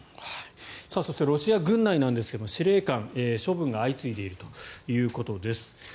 そしてロシア軍内ですが司令官、処分が相次いでいるということです。